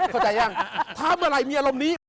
เข้าใจยังถ้าเมื่อไหร่มีอารมณ์นี้